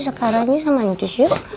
sekarangnya sama nyutis yuk